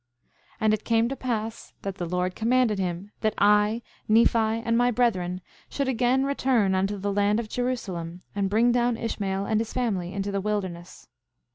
7:2 And it came to pass that the Lord commanded him that I, Nephi, and my brethren, should again return unto the land of Jerusalem, and bring down Ishmael and his family into the wilderness.